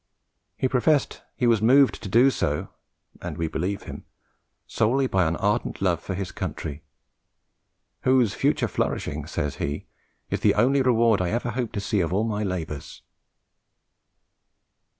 He professed that he was moved to do so (and we believe him) solely by an ardent love for his country, "whose future flourishing," said he, "is the only reward I ever hope to see of all my labours."